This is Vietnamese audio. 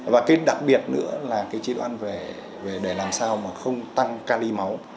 và cái đặc biệt nữa là cái chế độ ăn về làm sao mà không tăng cali máu